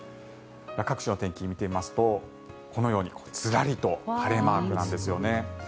各地の天気を見てみますとこのようにずらりと晴れマークなんですよね。